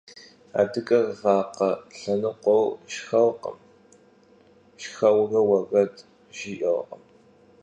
Adıger vakhe lhenıkhueu şşxerkhım, şşxeure vuered jji'erkhım.